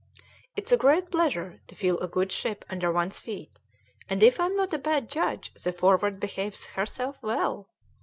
"It is a great pleasure to feel a good ship under one's feet, and if I'm not a bad judge the Forward behaves herself well."